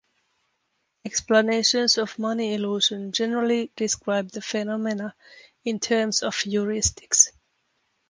Explanations of money illusion generally describe the phenomenon in terms of heuristics.